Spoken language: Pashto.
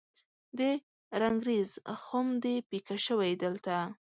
د رنګریز خم دې پیکه شوی دلته